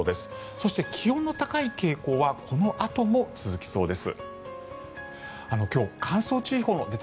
そして、気温の高い傾向はこのあとも続きそうです。